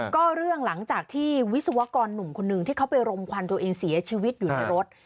ก็เรื่องหลังจากที่วิศวกรหนุ่มคนหนึ่งที่เขาไปรมควันตัวเองเสียชีวิตอยู่ในรถ